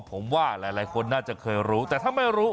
ผมว่าหลายคนน่าจะเคยรู้แต่ถ้าไม่รู้